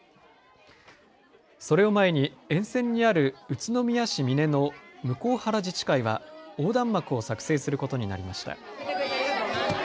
それを前に沿線にある宇都宮市峰の向原自治会は横断幕を作成することになりました。